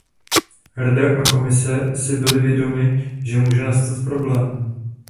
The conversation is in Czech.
Rada a Komise si byly vědomy, že může nastat problém.